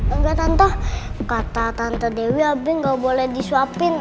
enggak tante kata tante dewi abi gak boleh disuapin